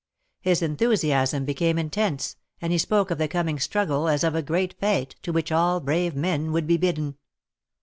His enthusiasm became intense, and he spoke of the coming struggle as of a great fete, to which all brave men Avould be bidden.